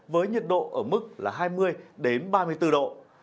với nhiệt độ ở mức là hai mươi ba mươi bốn độ